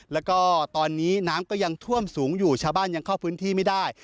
แล้วก็ตอนนี้น้ำก็ยังท่วมสูงอยู่ชาวบ้านยังเข้าพื้นที่ไม่ได้